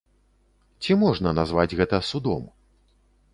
Ці можна назваць гэта судом?